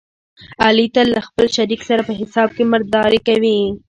علي تل له خپل شریک سره په حساب کې مردارې کوي.